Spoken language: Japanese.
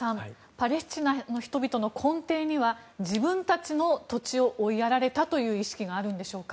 パレスチナの人々の根底には自分たちの土地を追いやられたという意識があるんでしょうか。